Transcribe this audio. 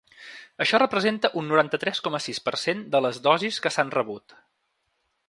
Això representa un noranta-tres coma sis per cent de les dosis que s’han rebut.